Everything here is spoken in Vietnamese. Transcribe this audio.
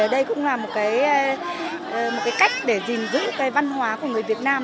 đây cũng là một cách để giữ văn hóa của người việt nam